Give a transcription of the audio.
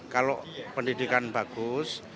kalau pendidikan bagus